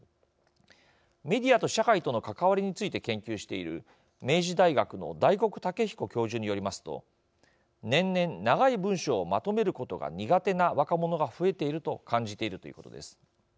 メディアと社会との関わりについて研究している明治大学の大黒岳彦教授によりますと年々長い文章をまとめることが苦手な若者が増えていると感じているということです。